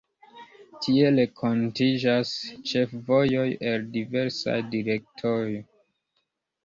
Tie renkontiĝas ĉefvojoj el diversaj direktoj.